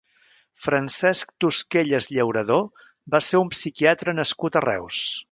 Francesc Tosquelles Llauradó va ser un psiquiatre nascut a Reus.